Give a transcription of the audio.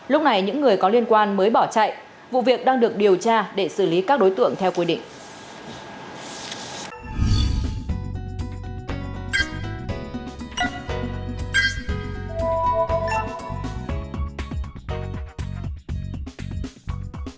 lúc này những người có liên quan mới bỏ chạy vụ việc đang được điều tra để xử lý các đối tượng theo quy định